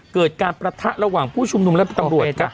เกิดการประทะระหว่างผู้ชุมนุมและตำรวจครับ